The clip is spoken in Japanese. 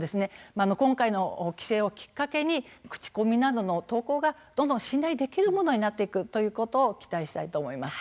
今回の規制をきっかけに口コミなどの投稿がどんどん信頼できるものになっていくということを期待したいと思います。